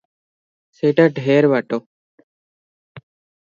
ସେଇଟା ଢେର ବାଟ ।